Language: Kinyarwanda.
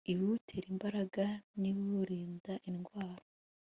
ibiwutera imbaraga n'ibiwurinda indwara